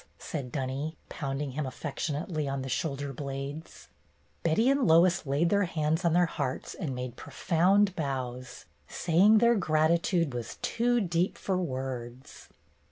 said Dunny, pounding him affectionately on the shoulder blades. Betty and Lois laid their hands on their hearts and made profound bows, saying their gratitude was too deep for words.